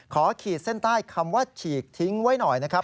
ขีดเส้นใต้คำว่าฉีกทิ้งไว้หน่อยนะครับ